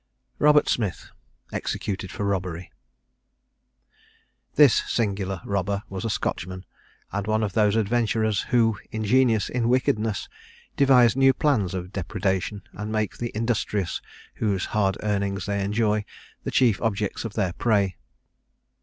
ROBERT SMITH. EXECUTED FOR ROBBERY. This singular robber was a Scotchman, and one of those adventurers who, ingenious in wickedness, devise new plans of depredation, and make the industrious, whose hard earnings they enjoy, the chief objects of their prey.